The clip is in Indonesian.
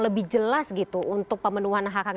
lebih jelas gitu untuk pemenuhan hak hak